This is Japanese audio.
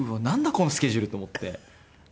このスケジュールと思って。